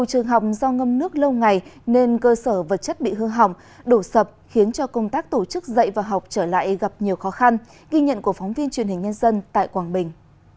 trường học do ngâm nước lâu ngày nên cơ sở vật chất bị hư hỏng đổ sập khiến cho công tác tổ chức dạy và học trở lại gặp nhiều khó khăn ghi nhận của phóng viên truyền hình nhân dân tại quảng bình